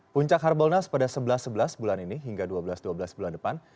puncak harbolnas pada sebelas sebelas bulan ini hingga dua belas dua belas bulan depan